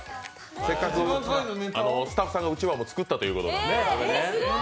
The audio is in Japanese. せっかくスタッフさんがうちわを作ったということですからね。